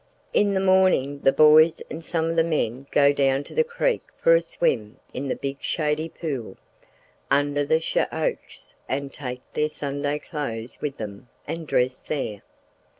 In the morning the boys and some of the men go down to the creek for a swim in the big shady pool, under the she oaks and take their Sunday clothes with them and dress there.